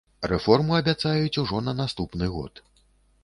Рэформу абяцаюць ужо на наступны год.